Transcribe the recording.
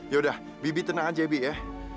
yaudah bibi tenang aja bibi ya